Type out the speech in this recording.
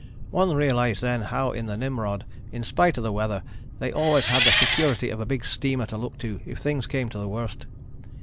One realized then how in the Nimrod in spite of the weather they always had the security of a big steamer to look to if things came to the worst.